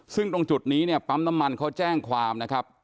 ซึ่งตรงจุดนี้เนี่ยปั๊มน้ำมันเขาแจ้งความนะครับ